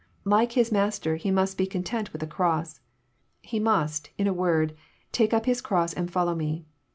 Like His Mas ter, he must be content with a cross. He mast, In a wosd *' take up his cross and follow Me."